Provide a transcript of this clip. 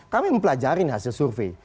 kami mempelajari hasil survei